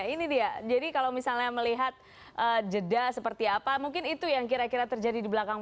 ini dia jadi kalau misalnya melihat jeda seperti apa mungkin itu yang kira kira terjadi di belakang